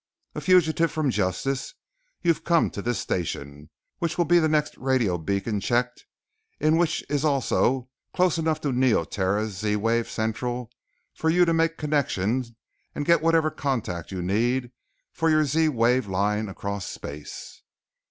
A fugitive from justice, you've come to this station, which will be the next radio beacon checked in which is also close enough to Neoterra's Z wave Central for you to make connection and get whatever contact you need for your Z wave line across space.